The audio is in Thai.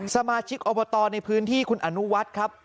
สมาชิกอบตในพื้นที่คุณอนุวัฒน์ครับ